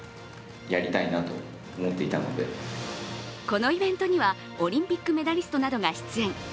このイベントにはオリンピックメダリストなどが出演。